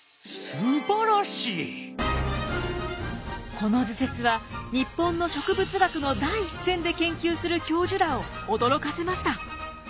この図説は日本の植物学の第一線で研究する教授らを驚かせました。